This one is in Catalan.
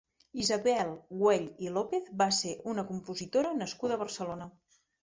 Isabel Güell i López va ser una compositora nascuda a Barcelona.